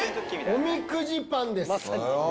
おみくじパンです。